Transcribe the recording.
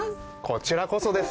こちらこそですよ。